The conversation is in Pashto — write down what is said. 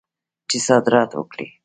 چې صادرات وکړي.